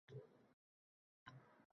Shukronalik to`yiga taklif etibdi